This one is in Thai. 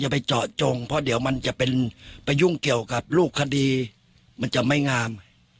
แบบนี้ไหม